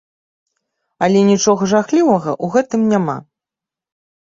Але нічога жахлівага ў гэтым няма.